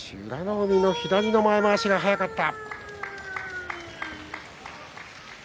海の左の前まわしが早かった。